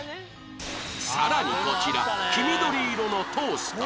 さらにこちら黄緑色のトースター